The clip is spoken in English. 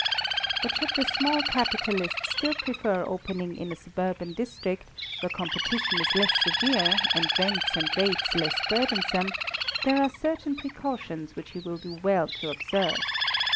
But should the small capitalist still prefer opening in a suburban district, where competition is less severe, and rents and rates less burdensome, there are certain precautions which he will do well to observe.